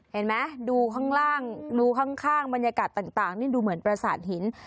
เห็นไหมดูข้างบรรยากาศต่างดูเหมือนปราสาทหิน